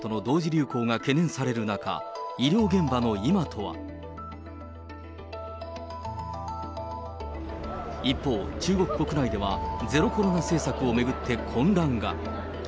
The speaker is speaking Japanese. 流行が懸念される中、医療現場の今とは。一方、中国国内では、ゼロコロナ政策を巡って混乱が。